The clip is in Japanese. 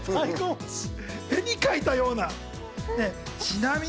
絵に描いたような。